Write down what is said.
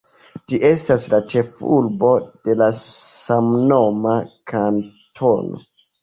Ĝi estas la ĉefurbo de la samnoma kantono.